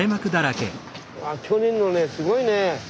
あ去年のねすごいねえ。